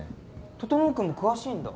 整君詳しいんだ？